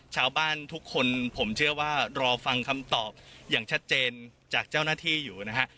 ชาวบ้านทุกคนผมเชื่อว่ารอฟังคำตอบอย่างชัดเจนจากเจ้าหน้าที่อยู่นะฮะ